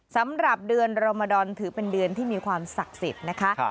สำหรับเดือนรมดอนถือเป็นเดือนที่มีความศักดิ์สิทธิ์นะคะ